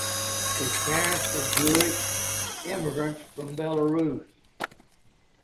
Her parents were Jewish immigrants from Belarus.